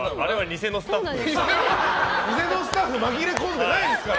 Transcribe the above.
偽のスタッフ紛れ込んでないですから！